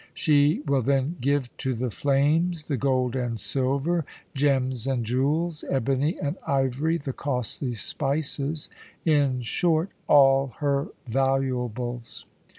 She will then give to the flames the gold and silver, gems and jewels, ebony and ivory, the costly spices in short, all her valuables.